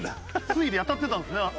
推理当たってたんですね。